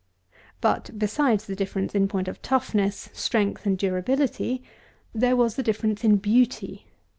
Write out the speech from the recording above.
But besides the difference in point of toughness, strength, and durability, there was the difference in beauty.